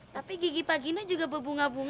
tapi gigi pak gino juga berbunga bunga